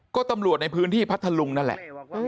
ก็ตำรวจในพื้นที่พัทธลุงนั่นแหละ